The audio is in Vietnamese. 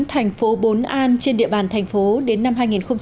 thành phố bốn an trên địa bàn thành phố đến năm hai nghìn hai mươi